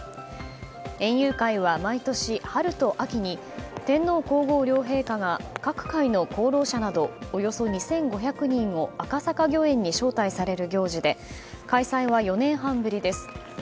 園遊会は毎年、春と秋に天皇・皇后両陛下が各界の功労者などおよそ２５００人を赤坂御苑に招待される行事で開催は４年半ぶりです。